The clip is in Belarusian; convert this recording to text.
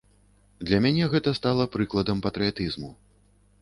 Для мяне гэта стала прыкладам патрыятызму.